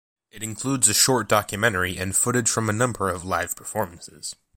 It includes a short documentary and footage from a number of live performances.